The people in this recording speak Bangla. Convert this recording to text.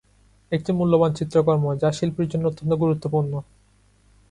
একটি মূল্যবান চিত্রকর্ম যা শিল্পীর জন্য অত্যন্ত গুরুত্বপূর্ণ।